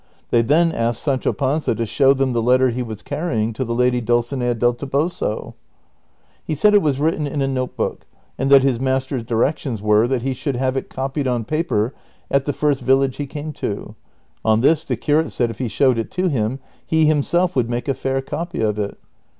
They then asked Sancho Panza to show them the letter he was carrying to the lady Dulcinea del Toboso. He said it was Avritten in a note book, and that his master's directions were that he should have it copied on paper at the first village he came to. On this the curate said if he showed it to him, he himself would make a fair copy of it.